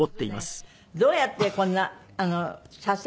どうやってこんな写生？